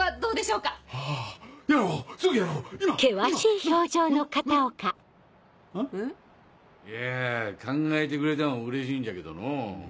いや考えてくれたんはうれしいんじゃけどの。